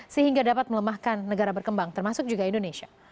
sehingga dapat melemahkan negara berkembang termasuk juga indonesia